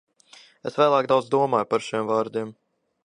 Es vēlāk daudz domāju par šiem vārdiem.